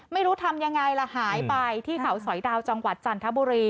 ไม่รู้ทำยังไงล่ะหายไปที่เขาสอยดาวจังหวัดจันทบุรี